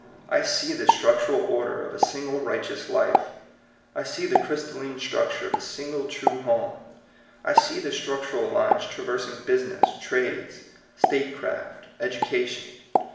I see the structural order of a single righteous life; I see the crys talline structure of a single true home; I see the structural lines traversing business, trades, statecraft, education.